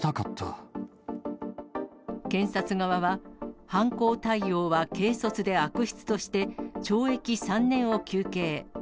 検察側は、犯行態様は軽率で悪質として、懲役３年を求刑。